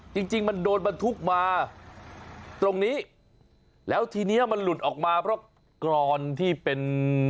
จริงจริงมันโดนบรรทุกมาตรงนี้แล้วทีเนี้ยมันหลุดออกมาเพราะกรอนที่เป็น